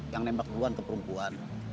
yang nembak duluan ke perempuan